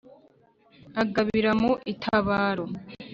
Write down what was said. agabira mu itabaro.